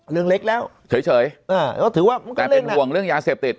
เรื่องเล็กแล้วเฉยแต่เป็นห่วงเรื่องยาเสพติด